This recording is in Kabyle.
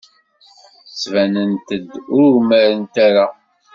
Ttbanent-d ur umarent ara.